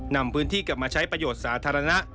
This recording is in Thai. นำพื้นที่กลับมาใช้ประโยชน์สาธารณะ